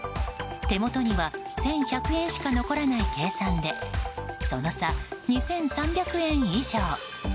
手元には１１００円しか残らない計算でその差、２３００円以上。